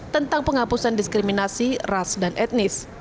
tentang penghapusan diskriminasi ras dan etnis